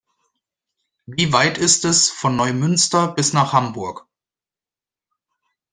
Wie weit ist es von Neumünster bis nach Hamburg?